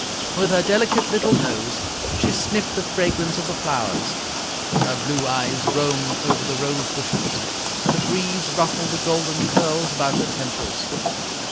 With her delicate little nose she sniffed the fragrance of the flowers. Her blue eyes roamed over the rose bushes, and the breeze ruffled the golden curls about her temples.